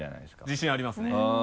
自信ありますね。